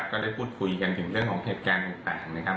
ก็ได้พูดคุยกันถึงเรื่องของเหตุการณ์ต่างนะครับ